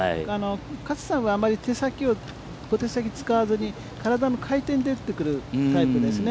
勝さんはあんまり小手先を使わずに体の回転で打ってくるタイプですね。